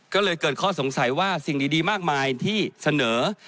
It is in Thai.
ก็เลยเกิดข้อสงสัยว่าสิ่งดีมากมายที่เสนอ